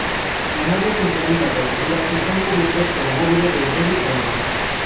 La nave central y la cabecera están cubiertas con bóveda de medio cañón.